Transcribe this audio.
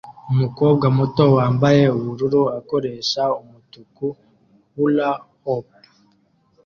Umukobwa muto wambaye ubururu akoresha umutuku hula-hoop